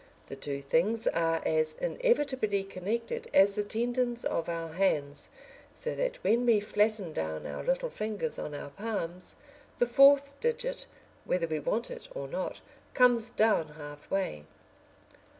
The two things are as inevitably connected as the tendons of our hands, so that when we flatten down our little fingers on our palms, the fourth digit, whether we want it or not, comes down halfway.